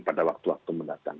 pada waktu waktu mendatang